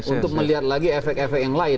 untuk melihat lagi efek efek yang lain